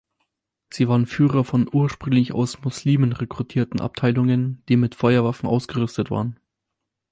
Sie waren Führer von ursprünglich aus Muslimen rekrutierten Abteilungen, die mit Feuerwaffen ausgerüstet waren.